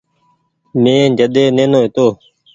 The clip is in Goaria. مين جڏي نينو هيتو ۔